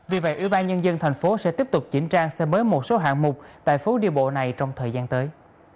vì vậy ủy ban nhân dân tp hcm sẽ tiếp tục chỉnh trang xe mới một số hạng mục tại phố đi bộ này trong thời gian tới